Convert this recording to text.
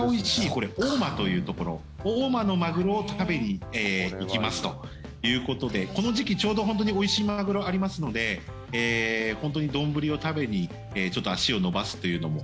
これ大間というところ大間のマグロを食べに行きますということでこの時期ちょうど本当においしいマグロありますので本当に丼を食べにちょっと足を延ばすというのも。